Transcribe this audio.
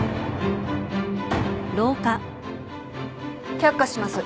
却下します。